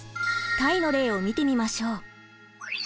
タイの例を見てみましょう。